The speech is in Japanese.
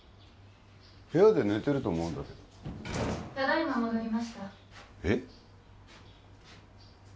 部屋で寝てると思うんだけどただいま戻りましたえっ？